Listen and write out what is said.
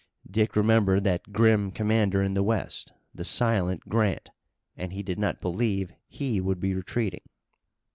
Dick remembered that grim commander in the West, the silent Grant, and he did not believe he would be retreating.